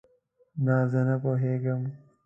نه، زه نه پوهیږم